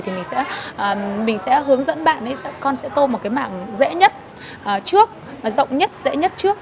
thì mình sẽ hướng dẫn bạn ấy con sẽ tô một cái mạng dễ nhất trước rộng nhất dễ nhất trước